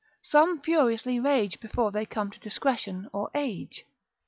Some furiously rage before they come to discretion, or age.